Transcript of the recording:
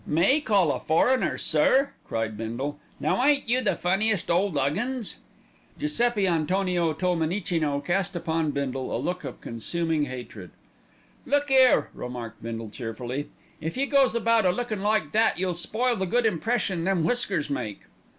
"Me call a foreigner 'sir!'" cried Bindle. "Now ain't you the funniest ole 'Uggins." Giuseppi Antonio Tolmenicino cast upon Bindle a look of consuming hatred. "Look 'ere," remarked Bindle cheerfully, "if you goes about a lookin' like that, you'll spoil the good impression them whiskers make."